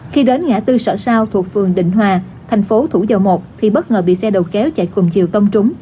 khi đến ngã tư sở sao thuộc phường định hòa thành phố thủ dầu một thì bất ngờ bị xe đầu kéo chạy cùng chiều tông trúng